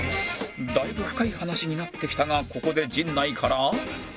だいぶ深い話になってきたがここで陣内から